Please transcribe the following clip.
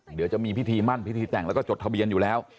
เดี๋ยวจะมีพิธีมั่นพิธีแต่งแล้วก็จดทะเบียนอยู่แล้ว